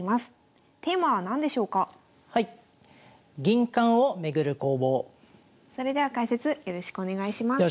「銀冠を巡る攻防」。それでは解説よろしくお願いします。